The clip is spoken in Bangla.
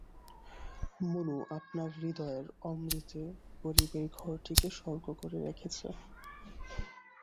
মুনু আপনার হৃদয়ের অমৃতে গরিবের ঘরটিকে স্বর্গ করে রেখেছে।